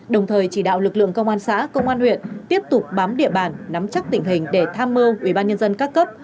đồng thời chỉ đạo lực lượng công an xã công an huyện tiếp tục bám địa bàn nắm chắc tình hình để tham mưu ubnd các cấp